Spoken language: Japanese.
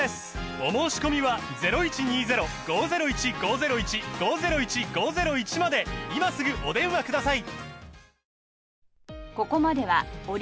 お申込みは今すぐお電話ください